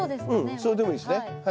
それでもいいですね。